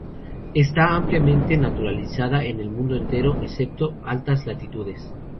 Está ampliamente naturalizada en el mundo entero, excepto altas latitudes.